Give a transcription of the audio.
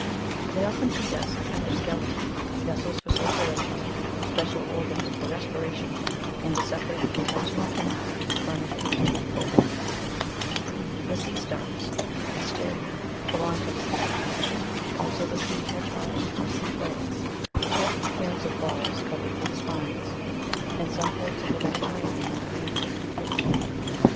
They often possess a kind of skeleton, vessels for circulation, special organs for respiration, and a separate intes tinal canal furnished with two openings. 14. The sea stars Asteria (Jig> 85) belong to this division. Also, the sea hedge hogs or sea eggs, which have the appearance of balls covered with spines ; in some ports of the Mediterranean Fig, 85. SEA STAR. they are used for food.